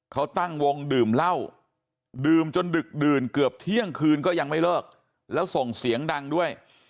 เขาตั้งวงดื่มเหล้าดื่มจนดึกดื่นเกือบเที่ยงคืนก็ยังไม่เลิกแล้วส่งเสียงดังด้วย